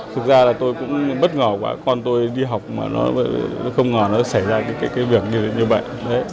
thực ra là tôi cũng bất ngờ vợ con tôi đi học mà nó không ngờ nó xảy ra những cái việc như vậy